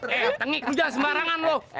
eh tengik lu jangan sembarangan lu